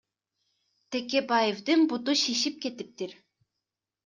Текебаевдин буту шишип кетиптир.